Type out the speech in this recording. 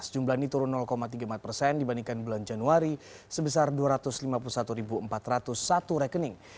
jumlah ini turun tiga puluh empat persen dibandingkan bulan januari sebesar dua ratus lima puluh satu empat ratus satu rekening